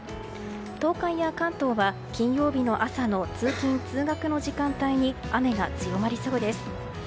東海や関東は、金曜日の朝の通勤・通学の時間帯に雨が強まりそうです。